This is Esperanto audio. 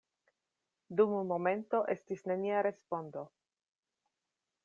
Dum momento estis nenia respondo.